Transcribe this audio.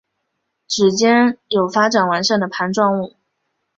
趾尖有发展完善的盘状物。